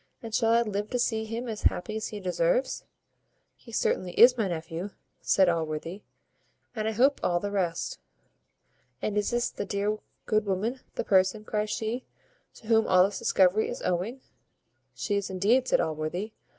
And shall I live to see him as happy as he deserves?" "He certainly is my nephew," says Allworthy, "and I hope all the rest." "And is this the dear good woman, the person," cries she, "to whom all this discovery is owing?" "She is indeed," says Allworthy.